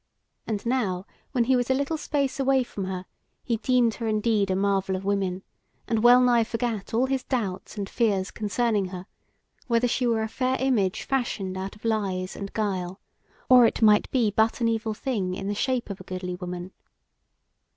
And now, when he was a little space away from her, he deemed her indeed a marvel of women, and wellnigh forgat all his doubts and fears concerning her, whether she were a fair image fashioned out of lies and guile, or it might be but an evil thing in the shape of a goodly woman.